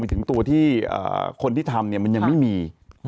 ถึงตัวที่คนที่ทำมันยังไม่มี